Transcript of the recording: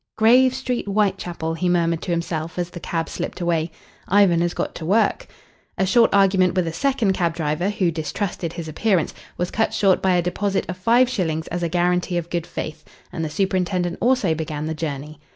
"Grave Street, Whitechapel," he murmured to himself, as the cab slipped away. "Ivan has got to work." A short argument with a second cab driver, who distrusted his appearance, was cut short by a deposit of five shillings as a guarantee of good faith, and the superintendent also began the journey.